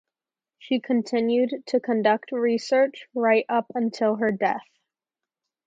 She continued to conduct research right up until her death.